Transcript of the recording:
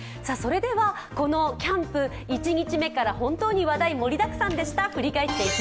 このキャンプ、一日目から本当に話題盛りだくさんでした。